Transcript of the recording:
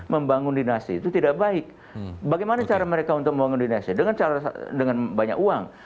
membangun dinasti itu tidak baik bagaimana cara mereka untuk membangun dinasti dengan banyak uang